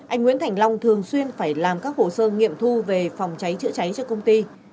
anh nguyễn thành long thường xuyên phải làm các hồ sơ nghiệm thu về phòng cháy chữa cháy cho công ty